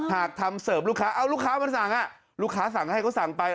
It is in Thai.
หากทำเสิร์ฟลูกค้าเอาลูกค้ามาสั่งลูกค้าสั่งให้เขาสั่งไป